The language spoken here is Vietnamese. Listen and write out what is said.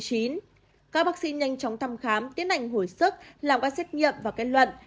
các bác sĩ nhanh chóng thăm khám tiến hành hồi sức làm các xét nghiệm và kết luận